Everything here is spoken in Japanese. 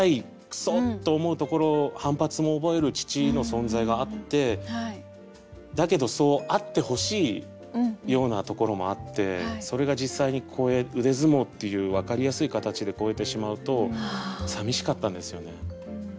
クソ！」と思うところ反発も覚える父の存在があってだけどそうあってほしいようなところもあってそれが実際に腕相撲っていう分かりやすい形で越えてしまうとさみしかったんですよね。